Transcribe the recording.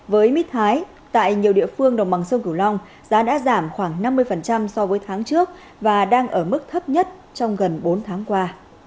với mít thái tại nhiều địa phương đồng bằng sông cửu long giá đã giảm khoảng năm mươi so với tháng trước và đang ở mức thấp nhất trong gần bốn tháng qua